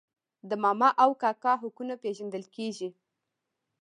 د ماما او کاکا حقونه پیژندل کیږي.